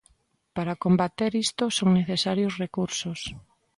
Para combater isto son necesarios recursos.